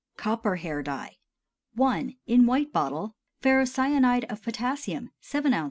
COPPER HAIR DYE. I. (In White Bottle.) Ferrocyanide of potassium 7 oz.